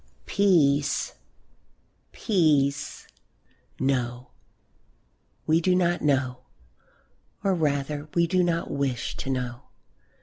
Peace! peace! No, we do not know! Or rather, we do not wish to know.